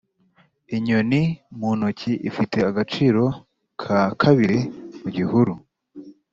inyoni mu ntoki ifite agaciro ka kabiri mu gihuru.